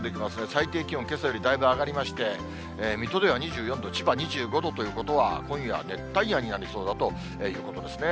最低気温、けさよりだいぶ上がりまして、水戸では２４度、千葉２５度ということは、今夜は熱帯夜になりそうだということですね。